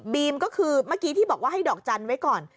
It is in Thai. ก็คือเมื่อกี้ที่บอกว่าให้ดอกจันทร์ไว้ก่อน